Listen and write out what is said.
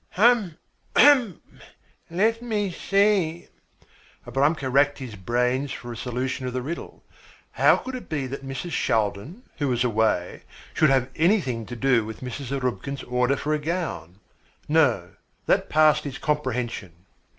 "Hm, hm! Let me see." Abramka racked his brains for a solution of the riddle. How could it be that Mrs. Shaldin, who was away, should have anything to do with Mrs. Zarubkin's order for a gown? No, that passed his comprehension.